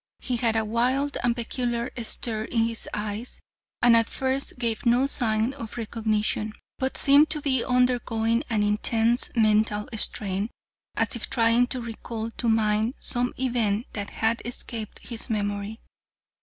He had a wild and peculiar stare in his eyes and at first gave no sign of recognition, but seemed to be undergoing an intense" mental strain, as if trying to recall to mind some event that had escaped his memory.